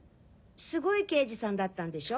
すごい刑事さんだったんでしょ？